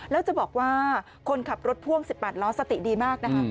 แล้วจะบอกว่าคนขับรถพ่วง๑๘ล้อสติดีมากนะคะ